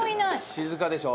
静かでしょ？